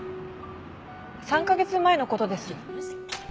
３カ月前の事です。